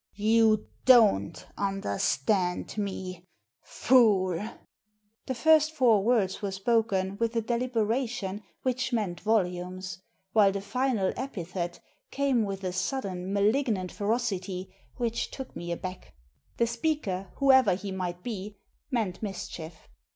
" You don't understand me, fool !" The first four words were spoken with a delibera tion which meant volumes, while the final epithet came with a sudden malignant ferocity which took me aback. The speaker, whoever he might be, meant mischief.